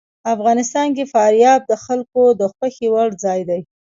افغانستان کې فاریاب د خلکو د خوښې وړ ځای دی.